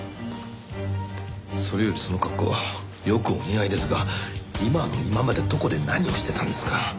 それよりその格好よくお似合いですが今の今までどこで何をしてたんですか？